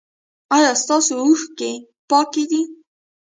ایا ستاسو اوښکې پاکې دي؟